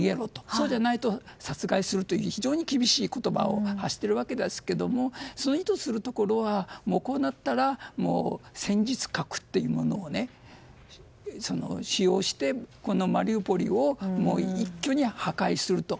そうでないと殺害するという非常に厳しい言葉を発しているわけですがその意図するところはこうなったら戦術核というものを使用してこのマリウポリを一挙に破壊すると。